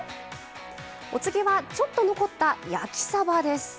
お次はちょっと残った焼きさばです。